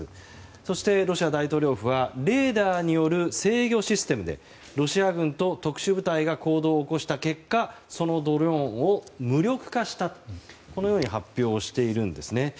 そして、ロシア大統領府はレーダーによる制御システムでロシア軍と特殊部隊が行動を起こした結果そのドローンを無力化したと発表をしているんですね。